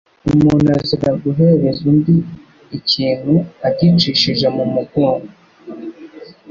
Umuntu azira guhereza undi ikintu agicishije mu mugongo,